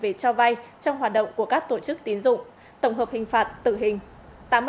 về cho vay trong hoạt động của các tổ chức tiến dụng tổng hợp hình phạt tử hình